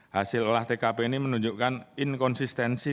hasil olah tkp ini menunjukkan inkonsistensi